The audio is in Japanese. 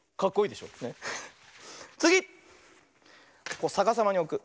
こうさかさまにおく。